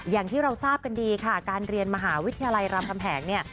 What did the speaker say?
อย่างที่เราทราบกันดีค่ะการเรียนมหาวิทยาลัยรามคำแหงเนี่ย